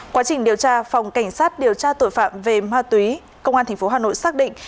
quá trình điều tra phòng cảnh sát điều tra tội phạm về ma túy công an tp hà nội xác định